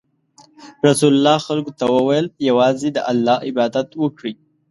رسول الله خلکو ته وویل: یوازې د الله عبادت وکړئ.